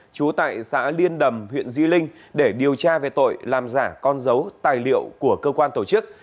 trú tại xã liên đầm huyện di linh để điều tra về tội làm giả con dấu tài liệu của cơ quan tổ chức